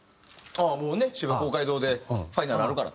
もうね渋谷公会堂でファイナルあるからと。